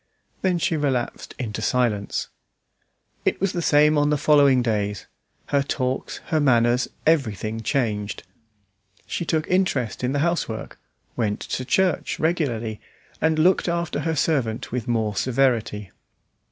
Then she relapsed into silence. It was the same on the following days; her talks, her manners, everything changed. She took interest in the housework, went to church regularly, and looked after her servant with more severity.